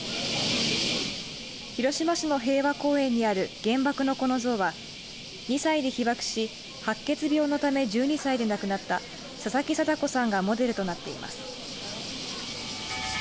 広島市の平和公園にある原爆の子の像は２歳で被爆し白血病のため１２歳で亡くなった佐々木禎子さんがモデルとなっています。